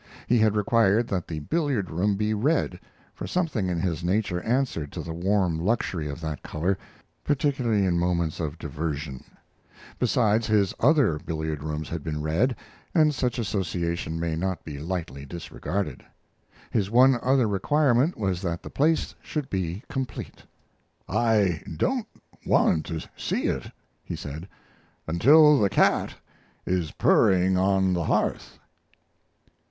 He had required that the billiard room be red, for something in his nature answered to the warm luxury of that color, particularly in moments of diversion. Besides, his other billiard rooms had been red, and such association may not be lightly disregarded. His one other requirement was that the place should be complete. "I don't want to see it," he said, "until the cat is purring on the hearth."